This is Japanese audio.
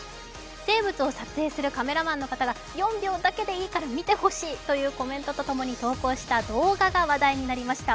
生物を撮影するカメラマンの方が４秒だけでいいから見てほしいというコメントとともに投稿した動画が話題となりました。